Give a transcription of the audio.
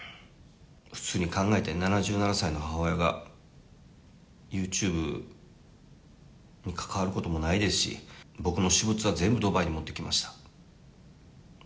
普通に考えて、７７歳の母親が、ユーチューブに関わることもないですし、僕の私物は全部ドバイに持ってきました。